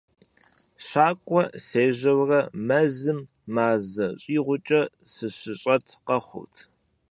ЩакӀуэ сежьэурэ, мэзым мазэм щӀигъукӀэ сыщыщӀэт къэхъурт.